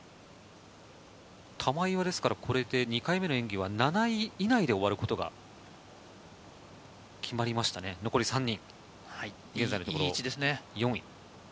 玉井は２回目の演技は７位以内で終わることが決まりましたね、残り３人。